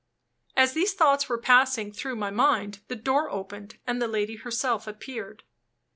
As these thoughts were passing through my mind, the door opened and the lady herself appeared.